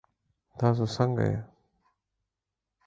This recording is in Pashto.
تاسو څنګه یئ؟